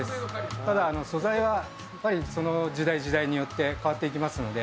ただ、素材は時代、時代によって変わっていきますので。